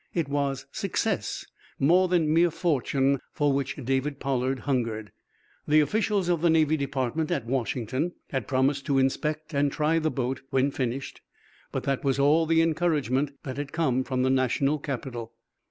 It was success, more than mere fortune, for which David Pollard hungered. The officials of the Navy Department, at Washington, had promised to inspect and try the boat, when finished, but that was all the encouragement that had come from the national capital.